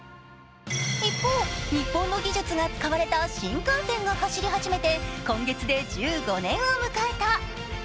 一方、日本の技術が使われた新幹線が走り始めて今月で１５年を迎えた。